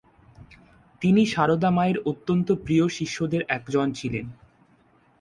তিনি সারদা মায়ের অত্যন্ত প্রিয় শিষ্যদের একজন ছিলেন।